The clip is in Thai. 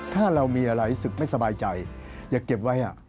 ถ้าเรามีอะไรรู้สึกไม่สบายใจอย่าเก็บไว้